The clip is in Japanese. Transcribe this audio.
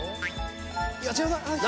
いや違うな。